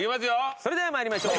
それでは参りましょう。